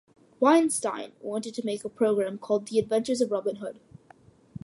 Weinstein wanted to make a programme called The Adventures of Robin Hood.